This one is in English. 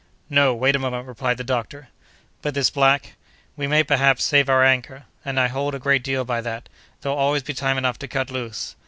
"No; wait a moment," replied the doctor. "But this black?" "We may, perhaps, save our anchor—and I hold a great deal by that. There'll always be time enough to cut loose."